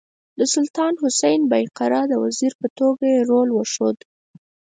د سلطان حسین بایقرا د وزیر په توګه یې رول وښود.